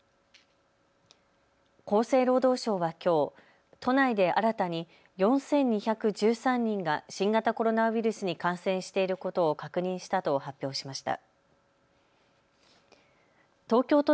厚生労働省はきょう都内で新たに４２１３人が新型コロナウイルスに感染していることを確認したと発表しました。